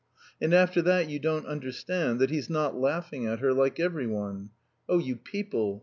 "And after that you don't understand that he's not laughing at her like every one. Oh, you people!